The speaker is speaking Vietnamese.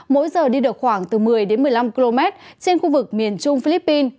mỗi giờ đi được khoảng từ một mươi đến một mươi năm km trên khu vực miền trung philippines